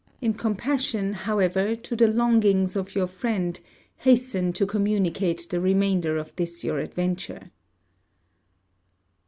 In compassion, however, to the longings of your friend, hasten to communicate the remainder of this your adventure.